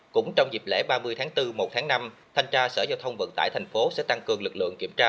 cũng trong dịp lễ ba mươi tháng bốn một tháng năm thanh tra sở giao thông vận tải thành phố sẽ tăng cường lực lượng kiểm tra